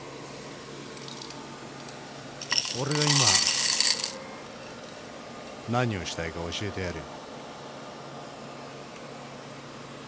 俺が今何をしたいか教えてやるよ。